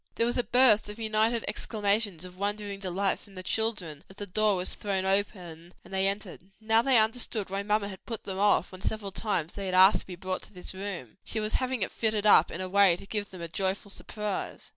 There was a burst of united exclamations of wondering delight from the children, as the door was thrown open and they entered. Now they understood why mamma had put them off when several times they had asked to be brought to this room: she was having it fitted up in a way to give them a joyful surprise.